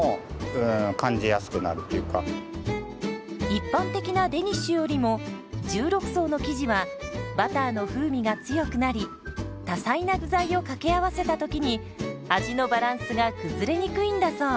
一般的なデニッシュよりも１６層の生地はバターの風味が強くなり多彩な具材を掛け合わせた時に味のバランスが崩れにくいんだそう。